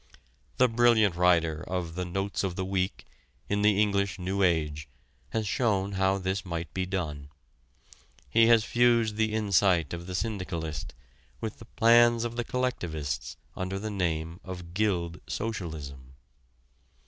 The brilliant writer of the "Notes of the Week" in the English New Age has shown how this might be done. He has fused the insight of the syndicalist with the plans of the collectivists under the name of Guild Socialism.